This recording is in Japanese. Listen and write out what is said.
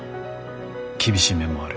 厳しい面もある。